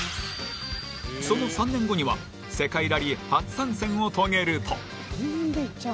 その３年後には世界ラリー初参戦を遂げると。